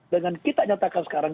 dengan kita nyatakan sekarang